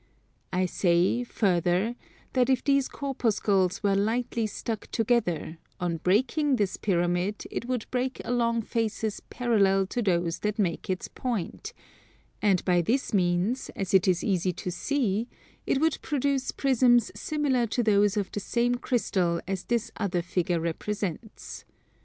I say, further, that if these corpuscles were lightly stuck together, on breaking this pyramid it would break along faces parallel to those that make its point: and by this means, as it is easy to see, it would produce prisms similar to those of the same crystal as this other figure represents.